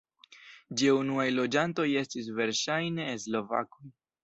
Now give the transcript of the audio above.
Ĝia unuaj loĝantoj estis verŝajne slovakoj.